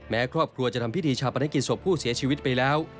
ครอบครัวจะทำพิธีชาปนกิจศพผู้เสียชีวิตไปแล้ว